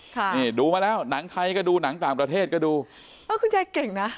ค่ะนี่ดูมาแล้วหนังไทยก็ดูหนังต่างประเทศก็ดูเออคุณยายเก่งนะ